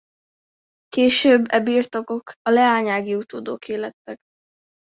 Később e birtokok a leányági utódoké lettek.